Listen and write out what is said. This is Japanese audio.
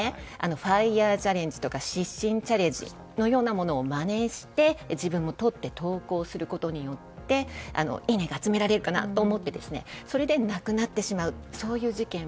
ファイヤーチャレンジとか失神チャレンジのようなものをまねして、自分を撮って投稿することによっていいねが集められると思ってそれで亡くなってしまう。